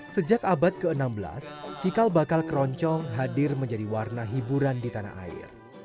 sejak abad ke enam belas cikal bakal keroncong hadir menjadi warna hiburan di tanah air